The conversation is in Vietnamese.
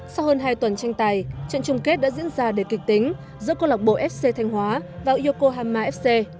sau hơn hai tuần tranh tài trận chung kết đã diễn ra để kịch tính giữa câu lọc bộ fc thanh hóa và yokohama fc